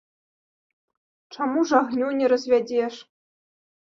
Чаму ж агню не развядзеш?